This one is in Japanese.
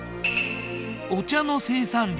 お茶の生産量